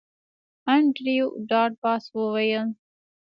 انډریو ډاټ باس وویل